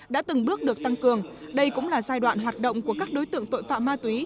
đã từng bước được tăng cường đây cũng là giai đoạn hoạt động của các đối tượng tội phạm ma túy